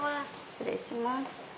失礼します。